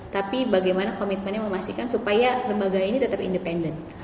tapi bagaimana komitmennya memastikan supaya lembaga ini tetap independen